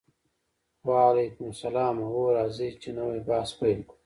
وعلیکم السلام هو راځئ چې نوی بحث پیل کړو